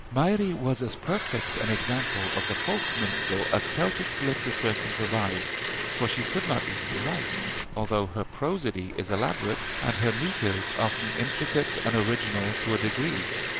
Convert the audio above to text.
Mairi was as perfect an example of the folk minstrel as Celtic literature can provide; for she could not even write, although her prosody is elaborate, and her metres often intricate and original to a degree.